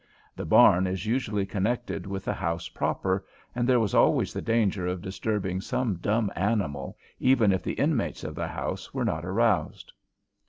The barn is usually connected with the house proper, and there was always the danger of disturbing some dumb animal, even if the inmates of the house were not aroused.